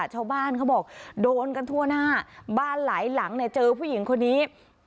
เขาบอกโดนกันทั่วหน้าบ้านหลายหลังเนี่ยเจอผู้หญิงคนนี้